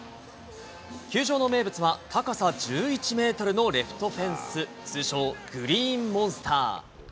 球場の名物は、高さ１１メートルのレフトフェンス、通称、グリーンモンスター。